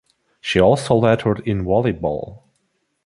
She also lettered in volleyball.